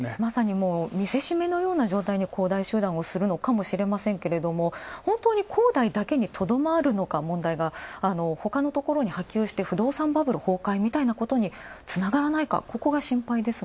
見せしめのように恒大集団をするのかもしれませんけど、ほんとうに恒大だけにとどまるのかほかのところに波及して不動産バブル崩壊につながらないか、ここが心配ですが。